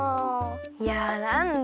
いやなんだ。